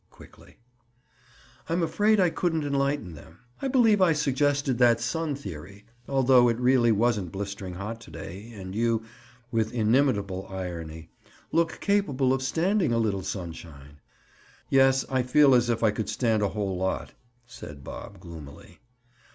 Quickly. "I'm afraid I couldn't enlighten them. I believe I suggested that sun theory—although it really wasn't blistering hot to day, and you," with inimitable irony, "look capable of standing a little sunshine." "Yes, I feel as if I could stand a whole lot," said Bob gloomily.